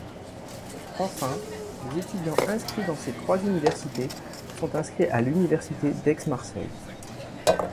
Enfin, les étudiants inscrits dans ces trois universités sont inscrits à l'université d'Aix-Marseille.